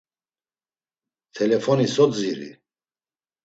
Telefoni so dziri?